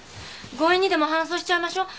強引にでも搬送しちゃいましょう。